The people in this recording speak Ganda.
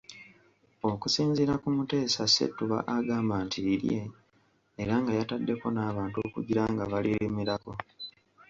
Okusinziira ku Muteesa Ssettuba agamba nti lirye era nga yataddeko n'abantu okugira nga balirimirako.